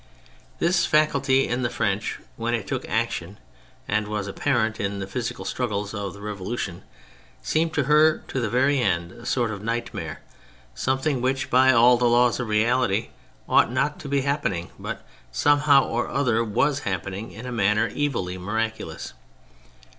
This faculty in the French, when it took action and was apparent in the physical struggles of the Revolution, seemed to her, to the very end, a sort of nightmare; some thing which, by all the laws of reality, ought not to be happening, but somehow or other was happening in a manner evilly miraculous.